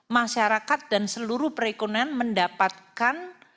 masyarakat dan seluruh perekonomian mendapatkan